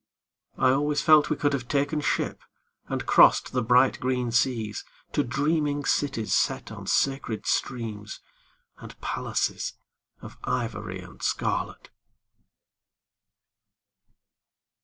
I always felt we could have taken ship And crossed the bright green seas To dreaming cities set on sacred streams And palaces Of ivory and scarlet.